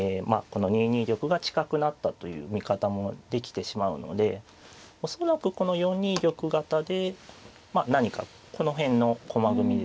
この２二玉が近くなったという見方もできてしまうので恐らくこの４二玉型でまあ何かこの辺の駒組みですね。